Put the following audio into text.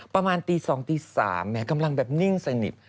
ประมาณตี๒ตี๓แม้กำลังแบบนิ่งสนิท